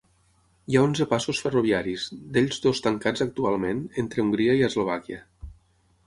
Hi ha onze passos ferroviaris, d'ells dos tancats actualment, entre Hongria i Eslovàquia.